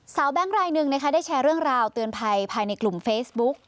แบงค์รายหนึ่งนะคะได้แชร์เรื่องราวเตือนภัยภายในกลุ่มเฟซบุ๊ก